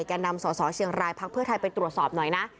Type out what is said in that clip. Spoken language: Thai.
แก่นำสสเชียงรายพักเพื่อไทยไปตรวจสอบหน่อยนะ